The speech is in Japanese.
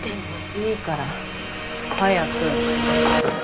いいから早く！